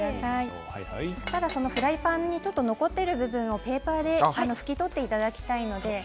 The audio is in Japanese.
そしたらフライパンに残っている部分をペーパーで拭き取っていただきたいので。